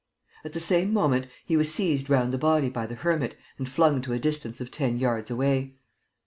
At the same moment, he was seized round the body by the hermit and flung to a distance of ten yards away.